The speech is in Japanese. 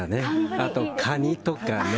あとカニとかね。